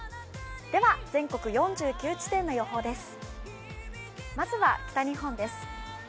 では全国４９地点の予報です。